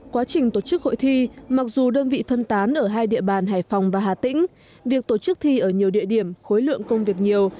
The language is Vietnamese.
quá trình tổ chức hội thi mặc dù đơn vị phân tán ở hai địa bàn hải phòng và hà tĩnh việc tổ chức thi ở nhiều địa điểm khối lượng công việc nhiều